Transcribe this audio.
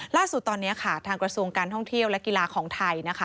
ล่าสุดตอนนี้ค่ะทางกระทรวงการท่องเที่ยวและกีฬาของไทยนะคะ